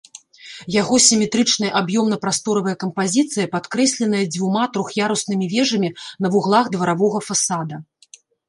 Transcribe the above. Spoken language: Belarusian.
Яго сіметрычная аб'ёмна-прасторавая кампазіцыя падкрэсленая дзвюма трох'яруснымі вежамі на вуглах дваровага фасада.